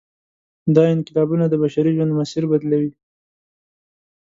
دا انقلابونه د بشري ژوند مسیر بدلوي.